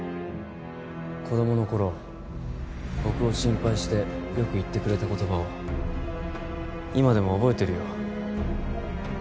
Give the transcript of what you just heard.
子供の頃僕を心配してよく言ってくれた言葉を今でも覚えてるよ